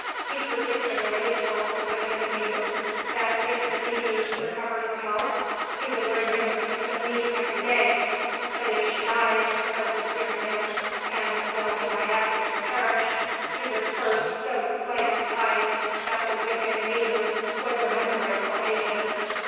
He particularly told the wicked Mzimu that if the "bibi" recovered her health he would bring him a piece of meat every day, but if she died, though he feared him and though he might afterwards perish, he would first so flay his hide that the wicked Mzimu would remember it for ages.